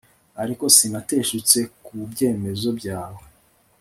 ariko sinateshutse ku byemezo byawe